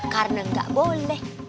karena nggak boleh